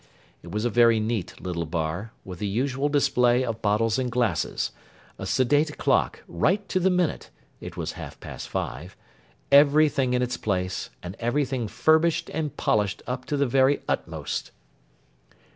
It was a very neat little bar, with the usual display of bottles and glasses; a sedate clock, right to the minute (it was half past five); everything in its place, and everything furbished and polished up to the very utmost.